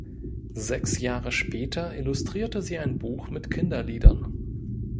Sechs Jahre später illustrierte sie ein Buch mit Kinderliedern.